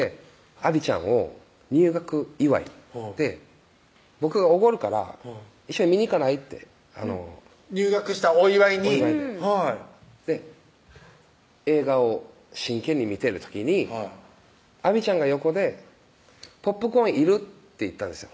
あびちゃんを入学祝で「僕がおごるから一緒に見に行かない？」って入学したお祝いにお祝いで映画を真剣に見てる時にはいあびちゃんが横で「ポップコーンいる？」って言ったんですよ